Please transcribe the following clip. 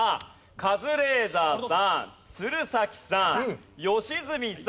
カズレーザーさん鶴崎さん良純さん